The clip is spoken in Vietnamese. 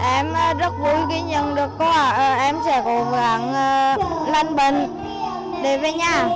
em rất vui khi nhận được cô ạ em sẽ cố gắng lên bình để với nhà